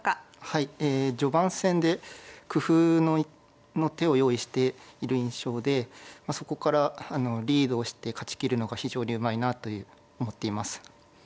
はいえ序盤戦で工夫の手を用意している印象でそこからリードをして勝ちきるのが非常にうまいなという思っています。